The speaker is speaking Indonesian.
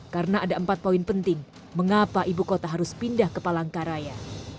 karena ada empat poin penting mengapa ibu kota harus pindah ke palangkaraya